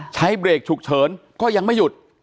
ใช้เบรกฉุกเฉินก็ยังไม่หยุด